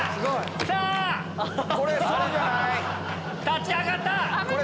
立ち上がった！